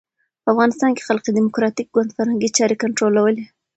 په افغانستان کې خلق ډیموکراټیک ګوند فرهنګي چارې کنټرولولې.